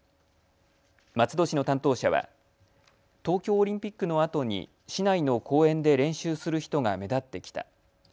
松戸市の担当者は、東京オリンピックのあとに市内の公園で練習する人が目立ってきた。